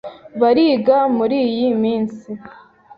Bariga muriyi minsi.